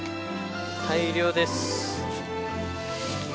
大量です。